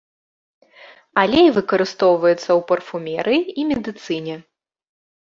Алей выкарыстоўваецца ў парфумерыі і медыцыне.